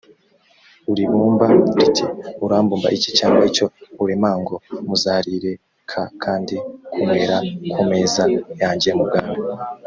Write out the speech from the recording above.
uribumba riti urabumba iki cyangwa icyo uremango muzarire k kandi munywere ku meza yanjye mu bwami